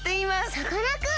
さかなクン！？